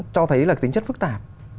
cho thấy là tính chất phức tạp